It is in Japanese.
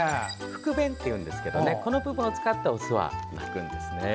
腹弁っていうんですけどこの部分を使ってオスは鳴くんですね。